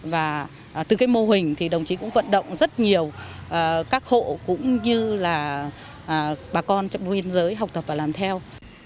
và từ cái mô hình thì đồng chí cũng vận động rất nhiều các hộ cũng như là bà con trên nguyên giới học tập và làm theo